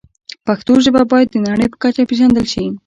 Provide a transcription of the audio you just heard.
پښتو ژبه باید د نړۍ په کچه پېژندل شي.